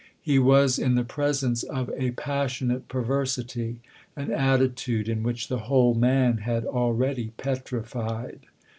He was in the presence of a passionate perversity an atti tude in which the whole man had already petrified.